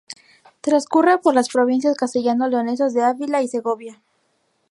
Trascurre por las provincias Castellano-Leonesas de Ávila y Segovia.